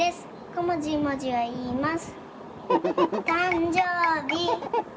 ごもじもじをいいます。